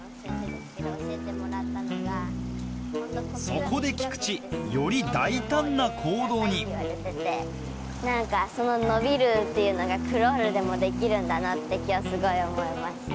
そこで菊池より大胆な行動に何かその伸びるっていうのがクロールでもできるんだなって今日すごい思いました。